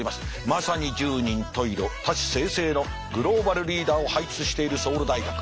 まさに十人十色多士済々のグローバルリーダーを輩出しているソウル大学。